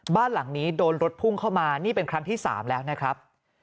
บ้านหลังนี้โดนรถพุ่งเข้ามานี่เป็นครั้งที่๓แล้วนะครับ